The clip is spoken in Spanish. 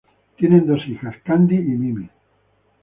Tienen dos hijas, Candy y Mimi.